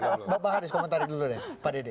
oke bapak haris komentari dulu deh pak dedy